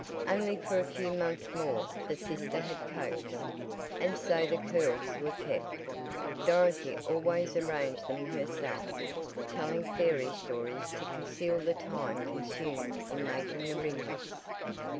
"Only for a few months more," the sister had coaxed, and, so the curls were kept. Dorothy always arranged them herself, telling fairy stories to conceal the time consumed in making the ringlets.